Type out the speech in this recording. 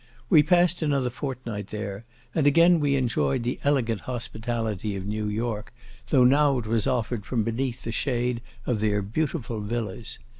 We passed another fortnight there; and again we enjoyed the elegant hospitality of New York, though now it was offered from beneath the shade of their beautiful villas.